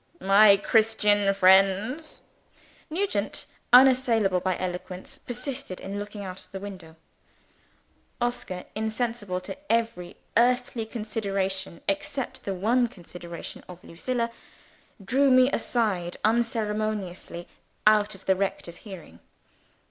"My Christian friends " Nugent, unassailable by eloquence, persisted in looking out of the window. Oscar, insensible to every earthly consideration except the one consideration of Lucilla, drew me aside unceremoniously out of the rector's hearing.